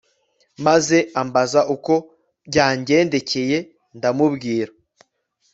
maze ambaza uko byangendekeye ndamubwira